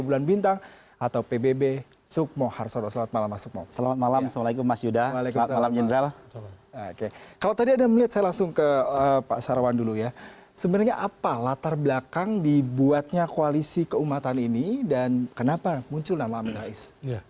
bagaimana rekan dibuatnya koalisi keumatan ini dan kenapa muncul nama menteri ris